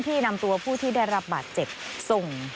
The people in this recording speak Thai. ที่นำตัวผู้ที่ได้รับบาดเจ็บที่นำตัวผู้ที่ได้รับบาดเจ็บ